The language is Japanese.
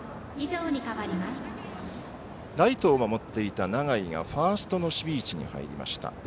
ライトを守っていた永井がファーストの守備位置に入りました。